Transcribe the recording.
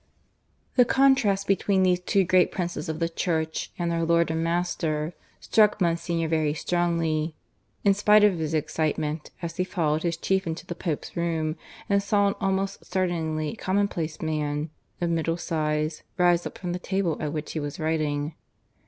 (II) The contrast between these two great Princes of the Church and their Lord and Master struck Monsignor very strongly, in spite of his excitement, as he followed his chief into the Pope's room, and saw an almost startlingly commonplace man, of middle size, rise up from the table at which he was writing.